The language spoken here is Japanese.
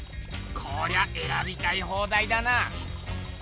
こりゃえらびたい放題だな！